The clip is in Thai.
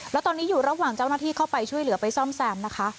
แล้วตอนนี้อยู่ระหว่างเจ้าหน้าที่เข้าไปช่วยเหลือไปซ่อมแซมนะคะ